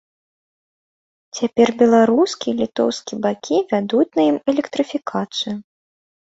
Цяпер беларускі й літоўскі бакі вядуць на ім электрыфікацыю.